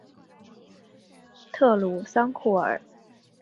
特鲁桑库尔。